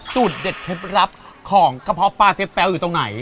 สูตรเด็ดเคล็ดลับของกระเพาะปลาเจ๊แป๊วอยู่ตรงไหน